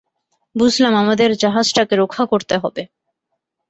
বুঝলাম, আমাদের জাহাজটাকে রক্ষা করতে হবে।